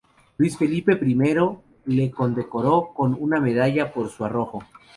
Luis Felipe I le condecoró con una medalla por su arrojo.